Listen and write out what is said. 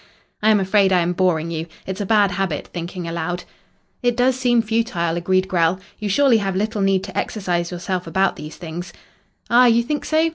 "I am afraid I am boring you. It's a bad habit, thinking aloud." "It does seem futile," agreed Grell. "You surely have little need to exercise yourself about these things." "Ah, you think so?